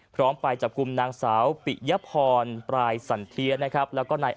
พร้อมไปจับกลุ่มนางสาวปิยพรปลายสันเทียนะครับแล้วก็นาย